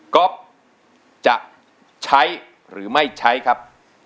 ก๊อฟจะใช้หรือไม่ใช้ครับ